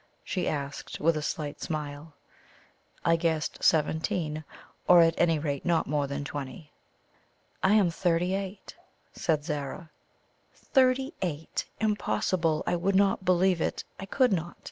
she asked, with a slight smile. I guessed seventeen, or at any rate not more than twenty. "I am thirty eight," said Zara. Thirty eight! Impossible! I would not believe it. I could not.